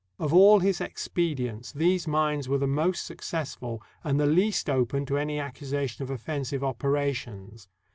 Of all his expe dients these mines were the most successful and the least open to any accusation of offensive operations.